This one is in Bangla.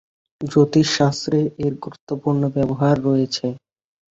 জ্যোতিষ শাস্ত্রে এর গুরুত্বপূর্ণ ব্যবহার রয়েছে।